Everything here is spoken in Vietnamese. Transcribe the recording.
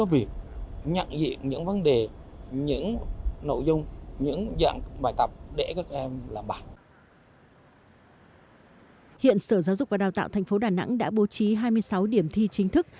hiện sở giáo dục và đào tạo thành phố đà nẵng đã bố trí hai mươi sáu điểm thi chính thức